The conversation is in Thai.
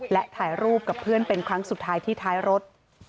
และถ่ายรูปกับเพื่อนเป็นครั้งสุดท้ายที่ท้ายรถ